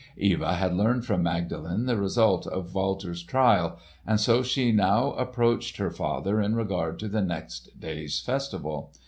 Eva had learned from Magdalen the result of Walter's trial, and so she now approached her father in regard to the next day's festival.